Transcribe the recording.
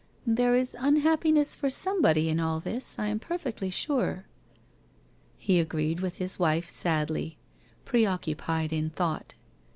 ' There is unhappiness for somebody in all this, I am perfectly sure/ He agreed with his wife sadly, preoccupied in thought.